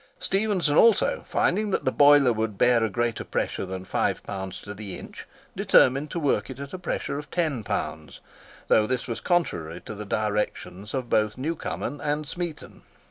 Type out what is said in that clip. Stephenson also, finding that the boiler would bear a greater pressure than five pounds to the inch, determined to work it at a pressure of ten pounds, though this was contrary to the directions of both Newcomen and Smeaton.